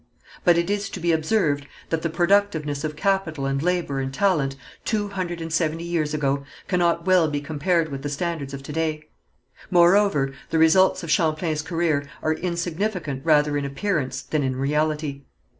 But it is to be observed that the productiveness of capital and labour and talent, two hundred and seventy years ago, cannot well be compared with the standards of to day. Moreover, the results of Champlain's career are insignificant rather in appearance than in reality.